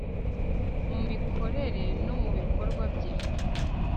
mu mikorere no mu bikorwa bye